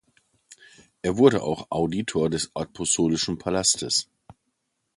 Er wurde auch Auditor des Apostolischen Palastes.